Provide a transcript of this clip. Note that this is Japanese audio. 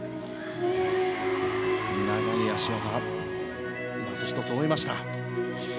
長い脚技をまず１つ、終えました。